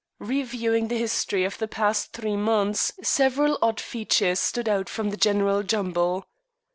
Reviewing the history of the past three months several odd features stood out from the general jumble.